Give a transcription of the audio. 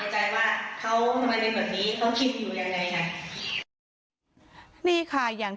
ใจว่าเขาทำไมเป็นแบบนี้เขาคิดอยู่ยังไงอ่ะนี่ค่ะอย่าง